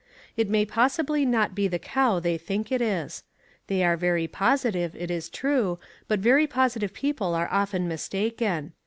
It may possibly not be the cow they think it is. They are very positive, it is true; but very positive people are often mistaken.